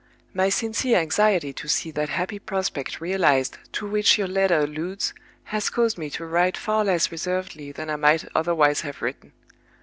My sincere anxiety to see that happy prospect realized to which your letter alludes has caused me to write far less reservedly than I might otherwise have written.